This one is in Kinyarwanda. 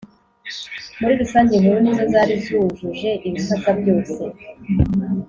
Muri rusange inkuru nizo zari zujuje ibisabwa byose